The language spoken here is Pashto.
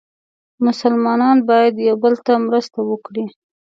مسلمانان باید یو بل ته مرسته وکړي.